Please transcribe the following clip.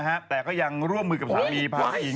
นะฮะแต่ก็ยังร่วมลูกสามีพ้าหญิง